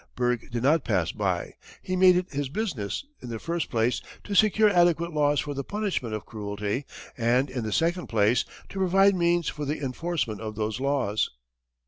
Bergh did not pass by. He made it his business, in the first place, to secure adequate laws for the punishment of cruelty, and in the second place, to provide means for the enforcement of those laws.